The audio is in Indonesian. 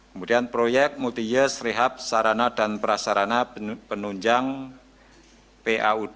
kemudian proyek multijes rehab sarana dan prasarana penunjang paud